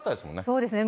そうですね。